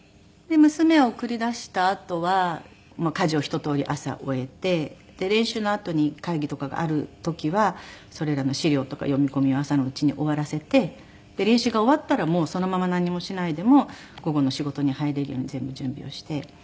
娘を送り出したあとは家事をひととおり朝終えて練習のあとに会議とかがある時はそれらの資料とか読み込みは朝のうちに終わらせて練習が終わったらもうそのまま何もしないでも午後の仕事に入れるように全部準備をして。